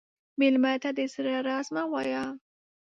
مېلمه ته د زړه راز مه وایه.